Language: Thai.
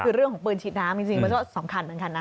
คือเรื่องปืนฉีดน้ำเป็นที่ที่สำคัญเหมือนกันนะ